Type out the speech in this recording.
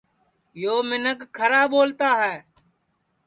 یو منکھ کھرا ٻولتا ہے